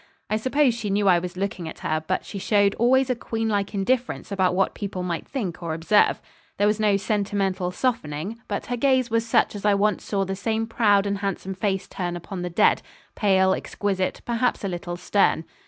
I suppose she knew I was looking at her; but she showed always a queenlike indifference about what people might think or observe. There was no sentimental softening; but her gaze was such as I once saw the same proud and handsome face turn upon the dead pale, exquisite, perhaps a little stern.